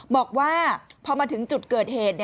บอกว่าพอมาถึงจุดเกิดเหตุ